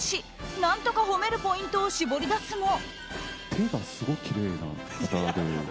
何とか褒めるポイントを絞り出すも。